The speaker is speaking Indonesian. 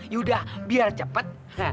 yaudah biar cepet